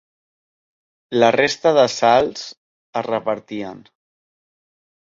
La resta de salts es repartien.